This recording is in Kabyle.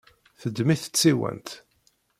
Teddem-it tsiwant.